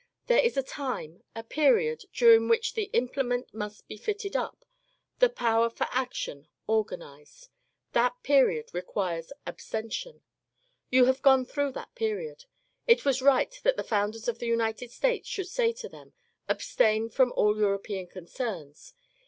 There is a time, a period, during which the implement must be fitted up, the power for action organized. That period re quires abstention. You have gone through that period. It was right that the founders of the United States should say to them :^^ Abstain from all European concerns."